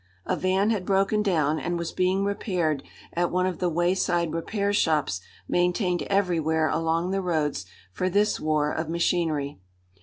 A van had broken down and was being repaired at one of the wayside repair shops maintained everywhere along the roads for this war of machinery.